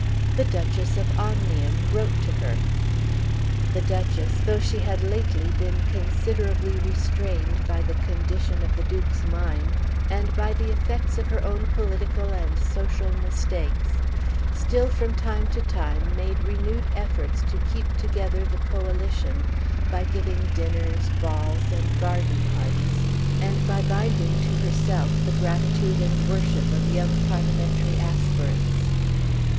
The Duchess of Omnium wrote to her. The Duchess, though she had lately been considerably restrained by the condition of the Duke's mind, and by the effects of her own political and social mistakes, still from time to time made renewed efforts to keep together the Coalition by giving dinners, balls, and garden parties, and by binding to herself the gratitude and worship of young parliamentary aspirants.